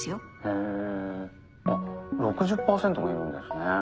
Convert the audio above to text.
へぇ６０％もいるんですね。